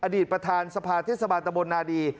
อดีตประธานสภาเทศบาลตะบนนาดี